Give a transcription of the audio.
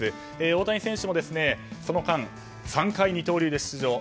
大谷選手もその間３回二刀流で出場。